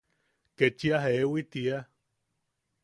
Kechia jeewi tiia.